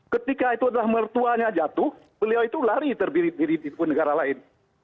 ketika itu adalah mertuanya jatuh beliau itu lari terbirit birit di pun negara lain